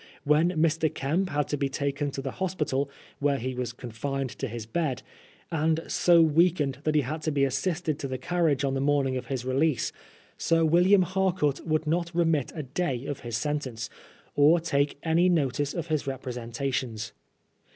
When Mr. Kemp had to be taken to the hospital, where he was confined to his bed, and so weakened that he had to be assisted to the carriage on the morn ing of his release. Sir William Harcourt would not remit a day of his sentence, or take any notice of his representations.